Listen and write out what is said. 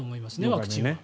ワクチンは。